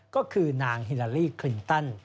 ก็คือนางฮิลาลีคลินตัน